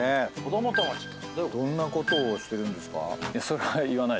どんなことをしてるんですか？